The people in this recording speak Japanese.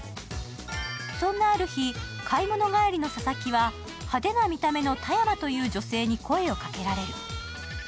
そんなある日、買い物帰りの佐々木は派手な見た目の田山という女性に声をかけられる。